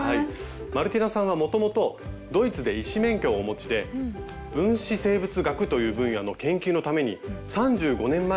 マルティナさんはもともとドイツで医師免許をお持ちで分子生物学という分野の研究のために３５年前に来日されたんですよね。